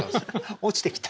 落ちてきた？